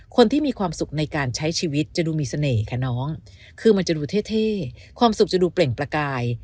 คนที่มีความสุขในการใช้ชีวิตจะดูมีเสน่ห์ค่ะน้องคือมันจะดูเท่ความสุขจะดูเปล่งประกาย